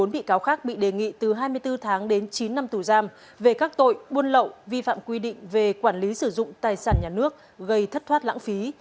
một mươi bị cáo khác bị đề nghị từ hai mươi bốn tháng đến chín năm tù giam về các tội buôn lậu vi phạm quy định về quản lý sử dụng tài sản nhà nước gây thất thoát lãng phí